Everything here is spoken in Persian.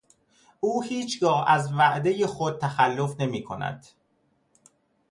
او هیچگاه از وعدهُ خود تخلف نمیکند.